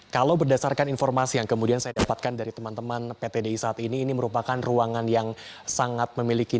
kalau berdasarkan informasi yang kemudian saya dapatkan dari teman teman pt di saat ini ini merupakan ruangan yang sangat memiliki